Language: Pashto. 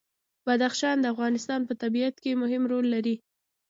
بدخشان د افغانستان په طبیعت کې مهم رول لري.